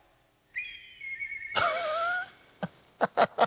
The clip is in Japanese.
ハッハハハ。